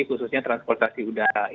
khususnya transportasi udara